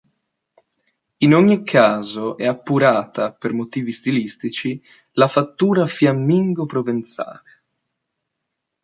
In ogni caso è appurata, per motivi stilistici, la fattura fiammingo-provenzale.